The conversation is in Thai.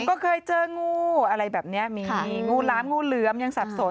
ก็เคยเจองูอะไรแบบนี้มีงูหลามงูเหลือมยังสับสน